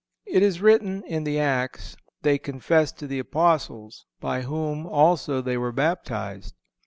It is written in the Acts, they confessed to the Apostles, by whom also they were baptized."